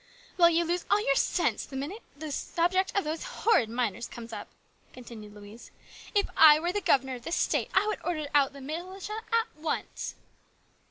" Well, you lose all your sense the minute the subject of these horrid miners comes up," continued Louise. " If I were the governor of this State, I would order out the militia at once."